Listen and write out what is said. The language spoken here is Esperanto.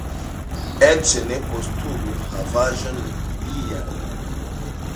Eĉ ne postulu havaĵon lian.